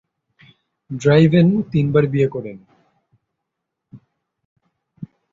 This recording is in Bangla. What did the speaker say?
ড্রাইডেন তিনবার বিয়ে করেন।